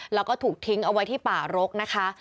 แล้วก็ถูกทิ้งเอาไว้ที่ป่ารกนะคะ